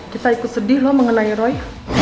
kita ikut sedih loh mengenai roy